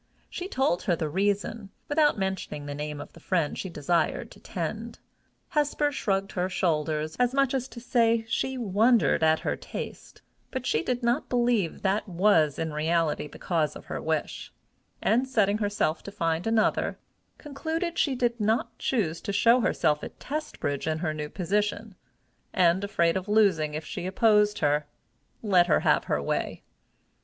She told her the reason, without mentioning the name of the friend she desired to tend. Hesper shrugged her shoulders, as much as to say she wondered at her taste; but she did not believe that was in reality the cause of her wish, and, setting herself to find another, concluded she did not choose to show herself at Testbridge in her new position, and, afraid of losing if she opposed her, let her have her way.